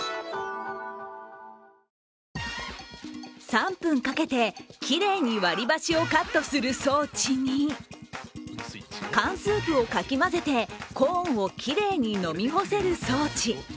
３分かけて、きれいに割り箸をカットする装置に缶スープをかき混ぜてコーンをきれいに飲み干せる装置。